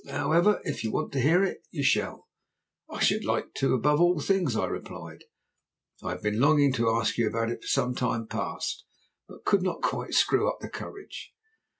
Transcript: However, if you want to hear it you shall." "I should like to above all things," I replied. "I have been longing to ask you about it for some time past, but could not quite screw up my courage."